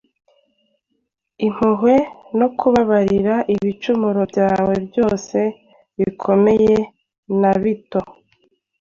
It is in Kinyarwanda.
Impuhwe no kubabarira ibicumuro byawe byose bikomeye na bito.